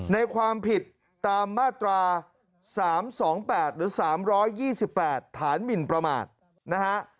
ในความผิดตามมาตรา๓๒๘หรือ๓๒๘ฐานหมินประมาทนะฮะ